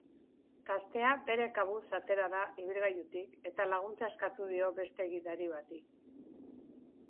Gaztea bere kabuz atera da ibilgailutik eta laguntza eskatu dio beste gidari bati.